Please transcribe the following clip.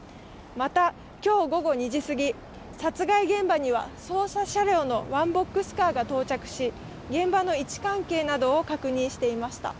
また、今日午後２時過ぎ、殺害現場には捜査車両のワンボックスカーが到着し、現場の位置関係などを確認していました。